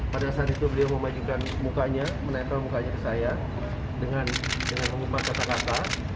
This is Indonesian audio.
pada saat itu beliau memajukan mukanya menempel mukanya ke saya dengan mengubah kata kata